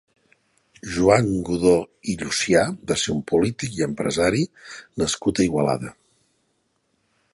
Joan Godó i Llucià va ser un polític i empresari nascut a Igualada.